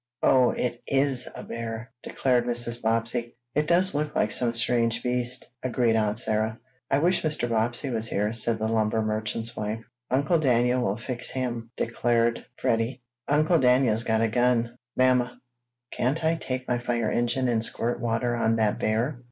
"Oh, it is a bear!" declared Mrs. Bobbsey. "It does look like some strange beast," agreed Aunt Sarah. "I wish Mr. Bobbsey were here," said the lumber merchant's wife. "Uncle Daniel will fix him!" declared Freddie. "Uncle Daniel's got a gun. Mamma, can't I take my fire engine and squirt water on that bear?"